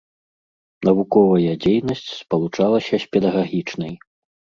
Навуковая дзейнасць спалучалася з педагагічнай.